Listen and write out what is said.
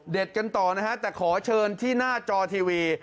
กันต่อนะฮะแต่ขอเชิญที่หน้าจอทีวี